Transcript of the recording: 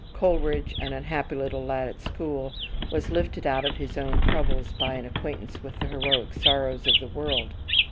Coleridge, an unhappy little lad at school, was lifted out of his own troubles by an acquaintance with the heroic sorrows of the world.